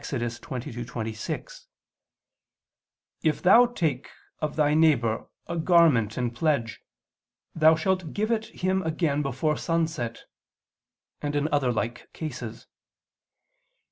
22:26: "If thou take of thy neighbor a garment in pledge, thou shalt give it him again before sunset"; and in other like cases.